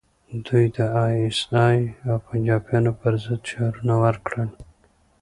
دوی د ای ایس ای او پنجابیانو پر ضد شعارونه ورکړل